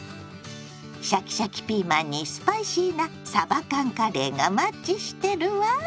シャキシャキピーマンにスパイシーなさば缶カレーがマッチしてるわ。